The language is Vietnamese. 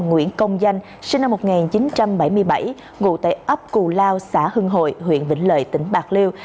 sinh năm một nghìn chín trăm bảy mươi bảy ngụ tại ấp cù lao xã hưng hội huyện vĩnh lợi tỉnh bạc liêu